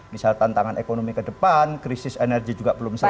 misal tantangan ekonomi ke depan krisis energi juga belum selesai